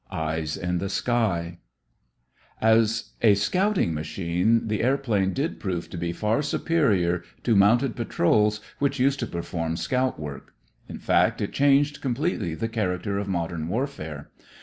EYES IN THE SKY As a scouting machine the airplane did prove to be far superior to mounted patrols which used to perform scout work. In fact, it changed completely the character of modern warfare.